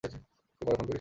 ওকে পরে ফোন করিস।